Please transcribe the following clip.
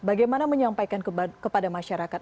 bagaimana menyampaikan kepada masyarakat